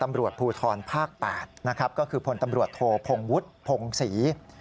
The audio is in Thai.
ตำรวจภูทรภาค๘นะครับก็คือพลตำรวจโทพงวุฒิพงศรี